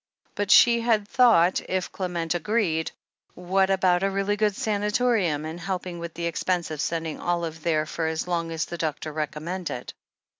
But she had thought, if Clement agreed — what about a really good sanatorium, and helping with the expense of sending Olive there for as long as the doctor recommended?